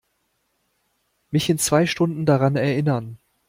Mich in zwei Stunden daran erinnern.